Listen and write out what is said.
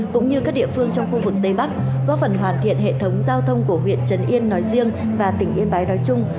cũng như các địa phương trong khu vực tây bắc góp phần hoàn thiện hệ thống giao thông của huyện trấn yên nói riêng và tỉnh yên bái nói chung